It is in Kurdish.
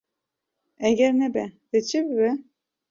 Eger nebe dê çi bibe?